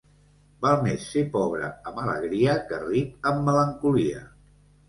Val més ser pobre amb alegria que ric amb melancolia.